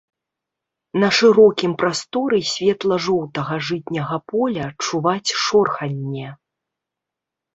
На шырокім прасторы светла-жоўтага жытняга поля чуваць шорханне.